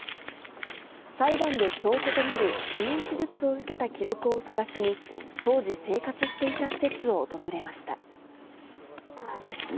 裁判で証拠となる不妊手術を受けた記録を探しに、当時生活していた施設を訪れました。